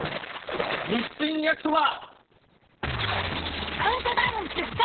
日清焼そば！